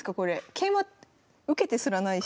桂馬受けてすらないし。